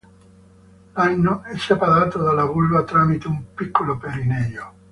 L'ano è separato dalla vulva tramite un piccolo perineo.